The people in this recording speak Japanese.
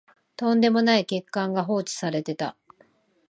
とんでもない欠陥が放置されてた